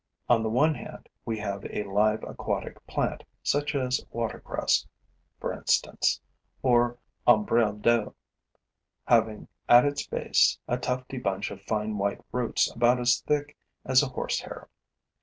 On the one hand, we have a live aquatic plant, such as watercress, for instance, or ombrelle d'eau, having at its base a tufty bunch of fine white roots about as thick as a horsehair.